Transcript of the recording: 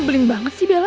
ngebelin banget sih bella